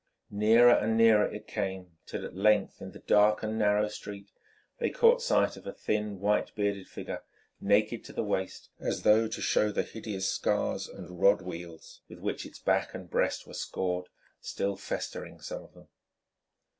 Nearer and nearer it came, till at length in the dark and narrow street they caught sight of a thin, white bearded figure, naked to the waist as though to show the hideous scars and rod weals with which its back and breast were scored, still festering, some of them.